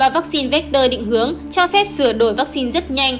vaccine vector định hướng cho phép sửa đổi vaccine rất nhanh